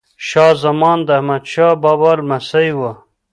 شاه زمان د احمد شاه بابا لمسی وه.